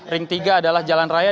ring tiga adalah jalan raya